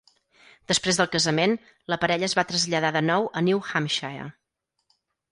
Després del casament, la parella es va traslladar de nou a New Hampshire.